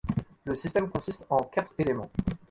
Le système consiste en quatre éléments.